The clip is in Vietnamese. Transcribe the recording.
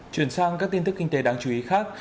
chuyển sang các tin tức kinh tế đáng chú ý khác